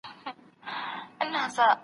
ټولنپوهنه او ارواپوهنه سره تړلي پوهني دي.